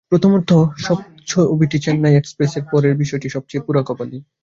প্রথমত, ছবিটি চেন্নাই এক্সপ্রেস-এর পরের সপ্তাহেই মুক্তি পাওয়ার বিষয়টি ছিল সবচেয়ে পোড়াকপালি।